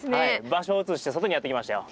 場所を移して外にやって来ましたよ。